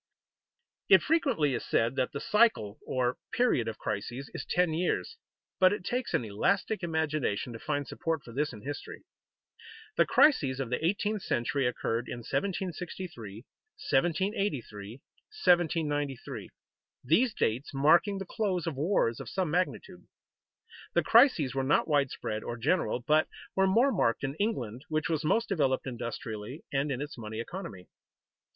_ It frequently is said that the cycle, or period, of crises is ten years, but it takes an elastic imagination to find support for this in history. The crises of the eighteenth century occurred in 1763, 1783, 1793, these dates marking the close of wars of some magnitude. The crises were not widespread or general, but were more marked in England, which was most developed industrially and in its money economy.